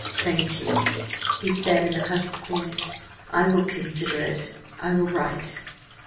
"Thank you," he said, in a husky voice. "I will consider, I will write."